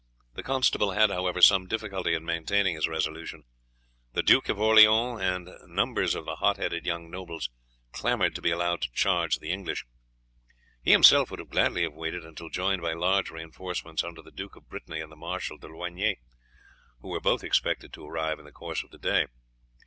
The constable had, however, some difficulty in maintaining his resolution. The Duke of Orleans and numbers of the hot headed young nobles clamoured to be allowed to charge the English. He himself would gladly have waited until joined by large reinforcements under the Duke of Brittany and the Marshal de Loigny, who were both expected to arrive in the course of the day.